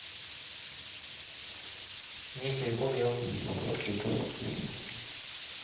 ただ桂取るのが自然ですね。